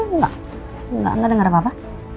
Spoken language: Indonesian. enggak enggak enggak denger apa apa